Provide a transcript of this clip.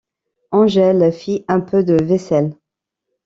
Angèle fit un peu de vaisselle.